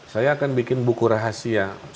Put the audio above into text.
saya akan bikin buku rahasia